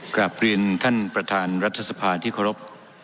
กลับเรียนท่านประธานรัฐสภาที่เคารพ